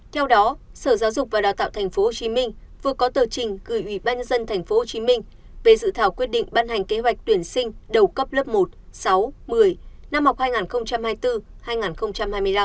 theo đó sở giáo dục và đào tạo tp hcm vừa có tờ trình gửi ủy ban nhân dân tp hcm về dự thảo quyết định ban hành kế hoạch tuyển sinh đầu cấp lớp một sáu một mươi năm học hai nghìn hai mươi bốn hai nghìn hai mươi năm